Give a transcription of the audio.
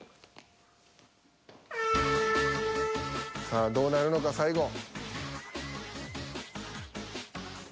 さあどうなるのか最後。